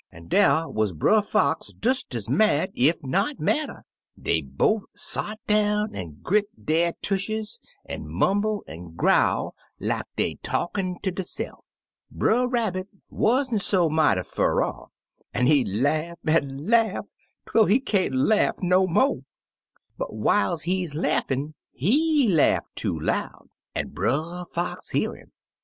An' dar wuz Brer Fox des ez mad, ef not madder. Dey bofe sot down an' grit der tushes, an' mumble an' growl like dey talk Uncle Remus Returns in' ter deyse'f. Brer Rabbit wa'n't so mighty fur off, an' he laugh an' laugh twel he can't laugh no mo', "But whiles he laughin', he laugh too loud, an' Brer Fox hear him.